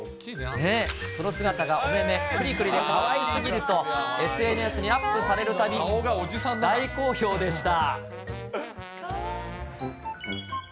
その姿がお目目くりくりでかわいすぎると、ＳＮＳにアップされるたび、大好評でした。